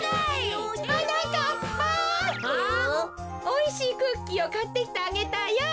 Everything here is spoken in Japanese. おいしいクッキーをかってきてあげたよ。